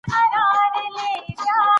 زۀ ډوډۍ خورم